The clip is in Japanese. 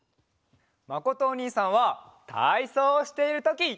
まことおにいさんはたいそうをしているとき。